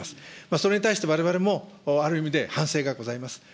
それに対してわれわれも、ある意味で反省がございます。